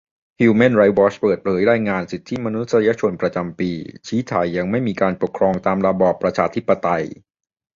ฮิวแมนไรท์วอทช์เปิดเผยรายงานสิทธิมนุษยชนประจำปี ชี้ไทยยังไม่มีการปกครองตามระบอบประชาธิปไตย